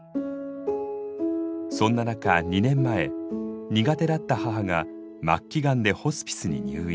そんな中２年前苦手だった母が末期がんでホスピスに入院。